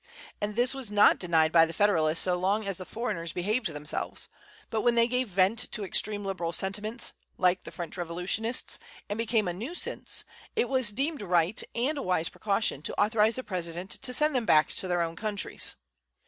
And this was not denied by the Federalists so long as the foreigners behaved themselves; but when they gave vent to extreme liberal sentiments, like the French revolutionists, and became a nuisance, it was deemed right, and a wise precaution, to authorize the President to send them back to their own countries.